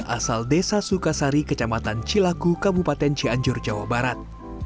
asal desa sukasari kecamatan cilaku kabupaten cianjur jawa barat